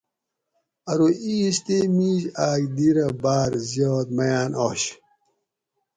ارو اِیس تے مِیش آۤک دی رہ باۤر زیات میاۤن آش